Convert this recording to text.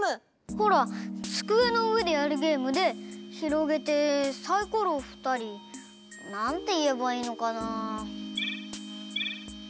ほらつくえのうえでやるゲームでひろげてサイコロをふったりなんていえばいいのかなあ。